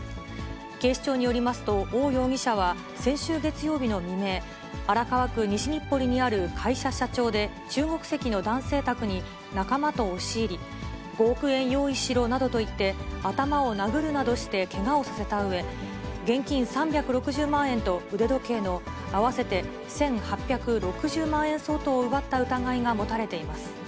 警視庁によりますと、翁容疑者は先週月曜日の未明、荒川区西日暮里にある会社社長で中国籍の男性宅に仲間と押し入り、５億円用意しろなどと言って、頭を殴るなどしてけがをさせたうえ、現金３６０万円と腕時計の合わせて１８６０万円相当を奪った疑いが持たれています。